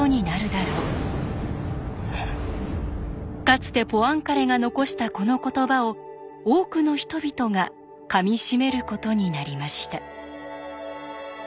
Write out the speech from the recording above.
かつてポアンカレが残したこの言葉を多くの人々がかみしめることになりました。